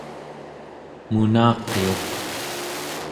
munaqiuq